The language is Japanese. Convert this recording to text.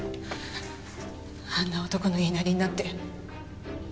あんな男の言いなりになって。